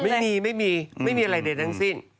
ไม่มีไม่มีไม่มีอะไรเด็ดทั้งสิ้น